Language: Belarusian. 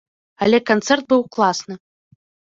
Але канцэрт быў класны.